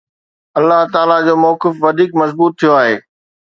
الله تعاليٰ جو موقف وڌيڪ مضبوط ٿيو آهي.